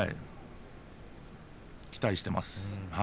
期待しています。